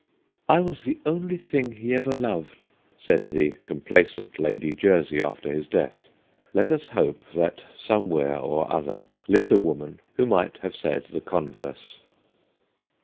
' I was the only thing he ever THE LAST SCENE 175 loved/ said the complacent Lady Jersey after his death. Let us hope that some where or other lived a woman who might have said the converse.